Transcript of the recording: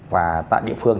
và tại địa phương